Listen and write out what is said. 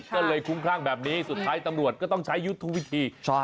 ก็เลยคุ้มคลั่งแบบนี้สุดท้ายตำรวจก็ต้องใช้ยุทธวิธี